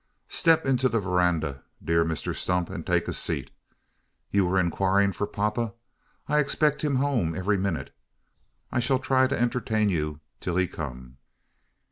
Step into the verandah, dear Mr Stump, and take a seat. You were inquiring for papa? I expect him home every minute. I shall try to entertain you till he come."